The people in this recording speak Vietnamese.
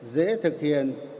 dễ thực hiện